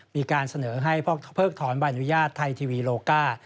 มีการเสนอให้เพิกถอนใบอนุญาตไทยทีวีโลก้า